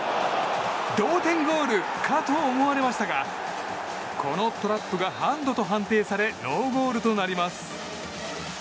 同点ゴールかと思われましたがこのトラップがハンドと判定されノーゴールとなります。